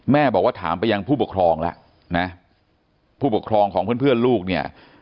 แม่บอกว่าถามไปยังผู้ปกครองแล้วนะผู้ปกครองของเพื่อนเพื่อนลูกเนี่ย